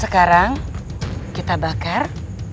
sekarang kita bakar